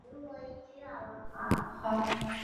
博物馆提供各种活动和展品。